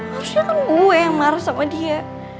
harusnya kan gue yang marah sama dia